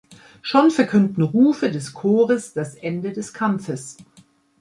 Schon verkünden Rufe des Chores das Ende des Kampfes.